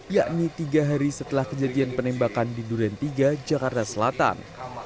yakni tiga hari setelah kejadian penembakan di duren tiga jakarta selatan